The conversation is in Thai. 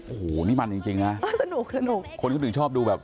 โอ้โฮนี่มันจริงนะคนก็ถึงชอบดูแบบ